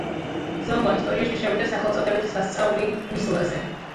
ბრძოლა ისტორიაში შევიდა სახელწოდებით „სასწაული ვისლაზე“.